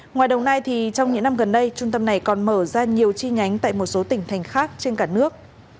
ngoài đồng nai thì trong những năm gần đây trung tâm này còn mở ra nhiều chi nhánh tại một số tỉnh thành khác trên cả nước